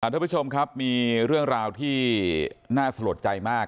ทุกผู้ชมครับมีเรื่องราวที่น่าสลดใจมาก